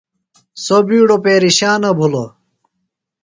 سوۡ بِیڈوۡ پیرشانہ بِھلوۡ۔